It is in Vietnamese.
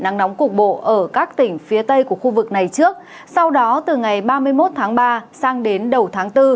nắng nóng cục bộ ở các tỉnh phía tây của khu vực này trước sau đó từ ngày ba mươi một tháng ba sang đến đầu tháng bốn